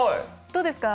どうですか？